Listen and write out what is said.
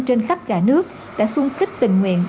trên khắp cả nước đã sung kích tình nguyện